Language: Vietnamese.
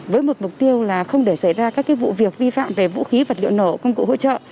với một mục tiêu là không để xảy ra các vụ việc vi phạm về vũ khí vật liệu nổ công cụ hỗ trợ